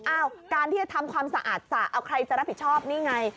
อ้าวการที่จะทำความสะอาดสะเอาใครจะรับผิดชอบนี่ไง